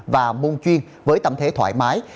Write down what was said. và môn chuyên với tâm thế thoải mái